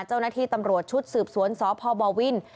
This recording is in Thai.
เจ้าหน้าที่ตำรวจชุดสืบสวนสพบวิน